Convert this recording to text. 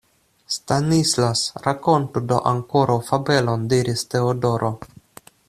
Stanislas, rakontu do ankoraŭ fabelon! diris Teodoro.